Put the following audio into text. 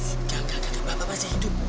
enggak enggak enggak bapak masih hidup